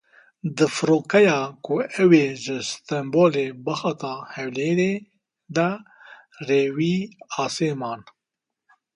Di firokeya ku ew ê ji Stenbolê bihata Hewlêrê de rêwî asê man.